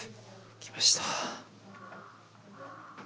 来ましたね。